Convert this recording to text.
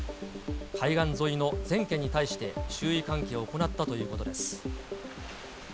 海岸沿いの全県に対して注意喚起を行ったということです。